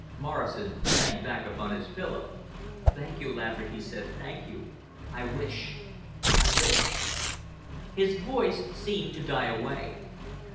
Morrison sank back upon his pillow. "Thank you, Laverick," he said; "thank you. I wish—I wish—" His voice seemed to die away.